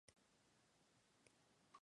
Inicialmente la Sra.